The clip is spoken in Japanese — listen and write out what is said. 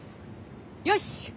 よし！